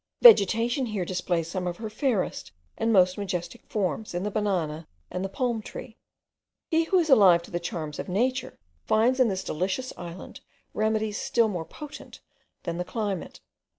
Vegetation here displays some of her fairest and most majestic forms in the banana and the palm tree. He who is alive to the charms of nature finds in this delicious island remedies still more potent than the climate.